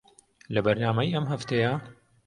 لە بەرنامەی ئەم هەفتەیە